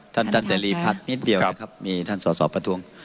ท่านท่านเจรีพัฒน์นิดเดียวนะครับมีท่านสอสอประท้วง